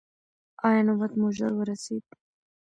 ایا نوبت مو ژر ورسید؟